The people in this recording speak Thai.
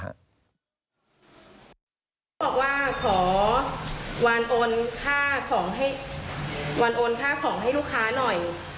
บอกว่าขอวานโอนค่าของให้ลูกค้าหน่อย